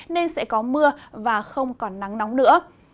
nên sẽ có mưa và không còn nắng nóng nữa